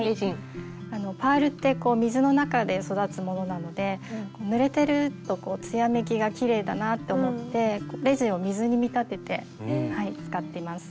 パールって水の中で育つものなのでぬれてるとつやめきがきれいだなと思ってレジンを水に見立てて使ってます。